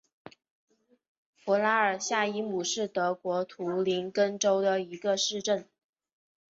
弗拉尔夏伊姆是德国图林根州的一个市镇。